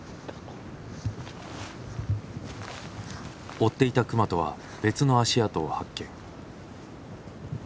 追っていた熊とは別の足跡を発見。